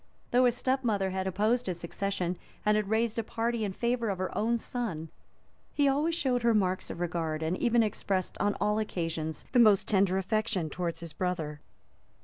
Though his step mother had opposed his succession, and had raised a party in favor of her own son, he always showed her marks of regard, and even expressed, on all occasions, the most tender affection towards his brother.